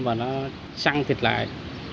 và nó săn thịt lại